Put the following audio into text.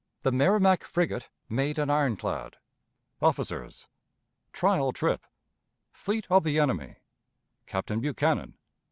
The Merrimac Frigate made an Ironclad. Officers. Trial Trip. Fleet of the Enemy. Captain Buchanan.